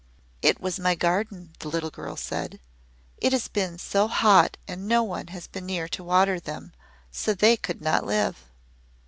"It was my garden," the little girl said. "It has been so hot and no one has been near to water them, so they could not live."